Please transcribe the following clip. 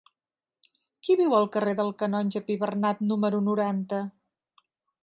Qui viu al carrer del Canonge Pibernat número noranta?